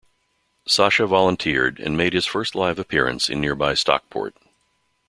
Sasha volunteered and made his first live appearance in nearby Stockport.